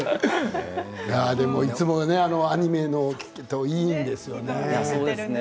でもあのアニメといいんですよね。